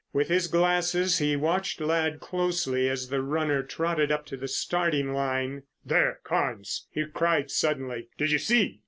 With his glasses he watched Ladd closely as the runner trotted up to the starting line. "There, Carnes!" he cried suddenly. "Did you see?"